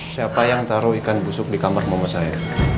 siapa yang taruh ikan busuk di kamar mama saya